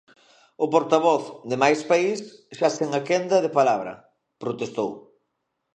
O portavoz de Máis País, xa sen a quenda de palabra, protestou.